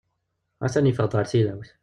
A-t-an yeffeɣ-d ɣer tilawt.